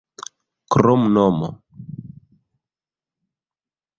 kromnomo